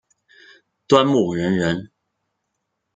端木仁人。